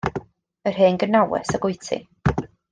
Yr hen gnawes ag wyt ti.